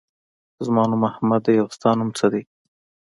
زما نوم احمد دی. او ستا نوم څه دی؟